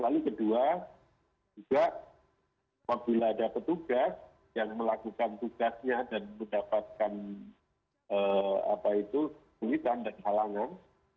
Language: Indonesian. lalu kedua juga apabila ada petugas yang melakukan tugasnya dan mendapatkan kulitan dan halangan